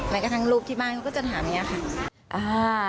กระทั่งลูกที่บ้านเขาก็จะถามอย่างนี้ค่ะ